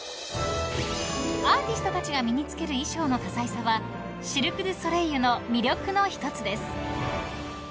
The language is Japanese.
［アーティストたちが身に着ける衣装の多彩さはシルク・ドゥ・ソレイユの魅力の一つです］